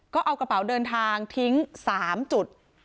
ก็เอากระเป๋าเดินทางทิ้ง๓จุด